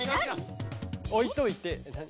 おいといて。